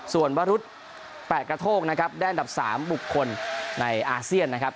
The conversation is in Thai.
ส่วนวรุษแปะกระโทกนะครับได้อันดับ๓บุคคลในอาเซียนนะครับ